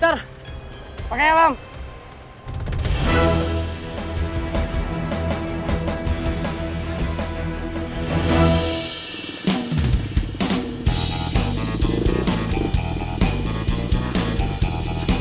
tasik tasik tasik